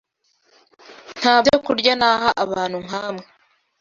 nta byokurya naha abantu nkamwe